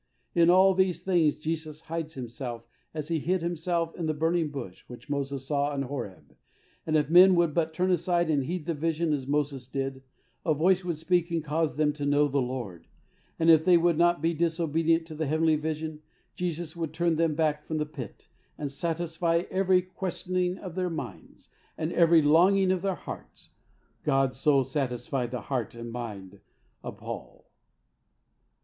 In all these things Jesus hides Himself as He hid Himself in the burning bush, which Moses saw on Horeb, and if men would but turn aside and heed the vision as Moses did, a voice would speak and cause them to know the Lord, and if they would not be disobedient to the heavenly vision, Jesus would turn them back from the pit, and satisfy every questioning of their minds and every longing of their hearts. God so satisfied the heart and mind of Paul.